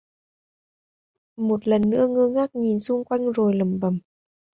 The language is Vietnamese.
Một lần nữa ngơ ngác nhìn xung quanh rồi lẩm bẩm